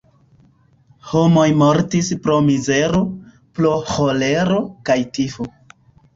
Homoj mortis pro mizero, pro ĥolero kaj tifo.